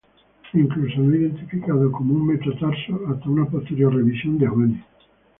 Incluso no identificado como un metatarso hasta una posterior revisión de Huene.